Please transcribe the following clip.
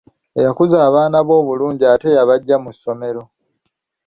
Eyakuza abaana be obulungi ate yabaggya mu ssomero.